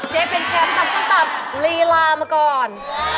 เจ๊เป็นแชมป์ตำส้มตำลีลามาก่อน